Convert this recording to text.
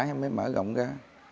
em mới mở rộng ra